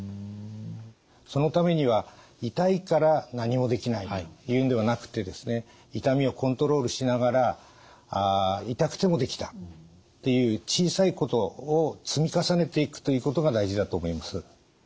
そのためには「痛いから何もできない」というんではなくてですね痛みをコントロールしながら「痛くてもできた」っていう小さいことを積み重ねていくということが大事だと思います。